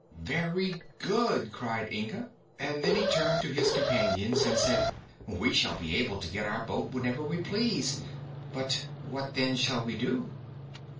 "Very good!" cried Inga, and then he turned to his companions and said: "We shall be able to get our boat whenever we please; but what then shall we do?"